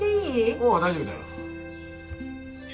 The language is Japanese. おう大丈夫だよ。